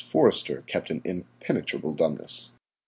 Forster kept an impenetrable dumbness.